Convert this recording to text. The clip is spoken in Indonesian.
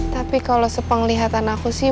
tapi kalau sepenglihatan aku sih